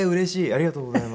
ありがとうございます。